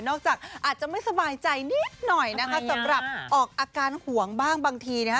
จากอาจจะไม่สบายใจนิดหน่อยนะคะสำหรับออกอาการห่วงบ้างบางทีนะคะ